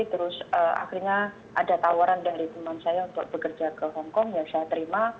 terus akhirnya ada tawaran dari teman saya untuk bekerja ke hongkong ya saya terima